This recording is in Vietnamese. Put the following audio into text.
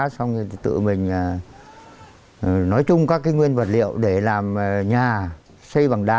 xong rồi tự mình nói chung các nguyên vật liệu để làm nhà xây bằng đá